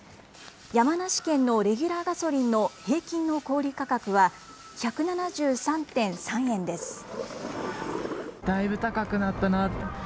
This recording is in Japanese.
山梨県のレギュラーガソリンの平均の小売り価格は１７３．３円です。